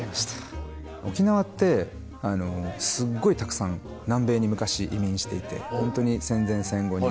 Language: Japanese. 沖縄ってすっごいたくさん南米に昔移民していてホントに戦前戦後に。